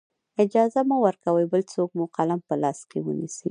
اجازه مه ورکوئ بل څوک مو قلم په لاس کې ونیسي.